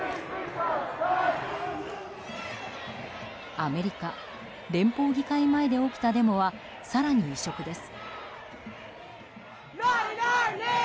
アメリカ連邦議会前で起きたデモは、更に異色です。